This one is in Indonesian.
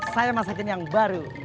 saya masakin yang baru